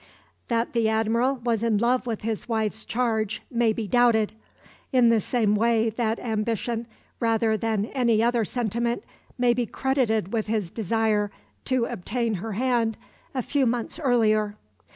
That the Admiral was in love with his wife's charge may be doubted; in the same way that ambition, rather than any other sentiment, may be credited with his desire to obtain her hand a few months earlier.